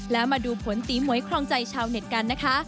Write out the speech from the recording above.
แล้วมาดูผลตีหมวยครองใจชาวเน็ตกันนะคะ